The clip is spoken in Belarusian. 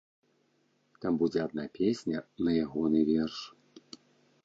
Там будзе адна песня на ягоны верш.